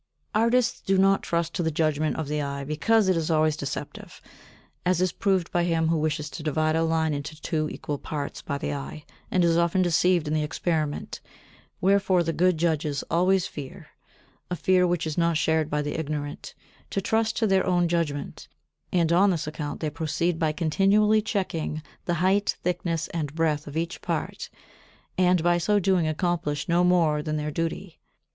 Artists do not trust to the judgement of the eye, because it is always deceptive, as is proved by him who wishes to divide a line into two equal parts by the eye, and is often deceived in the experiment; wherefore the good judges always fear a fear which is not shared by the ignorant to trust to their own judgement, and on this account they proceed by continually checking the height, thickness and breadth of each part, and by so doing accomplish no more than their duty.